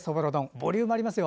ボリュームありますよ。